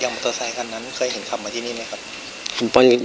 มอเตอร์ไซคันนั้นเคยเห็นขับมาที่นี่ไหมครับ